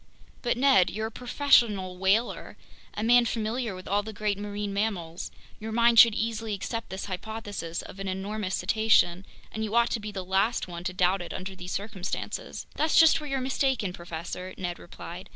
"But Ned, you're a professional whaler, a man familiar with all the great marine mammals—your mind should easily accept this hypothesis of an enormous cetacean, and you ought to be the last one to doubt it under these circumstances!" "That's just where you're mistaken, professor," Ned replied.